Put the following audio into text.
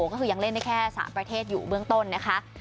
ก็คือยังเล่นได้แค่๓ประเทศอยู่เบื้องต้นนะคะ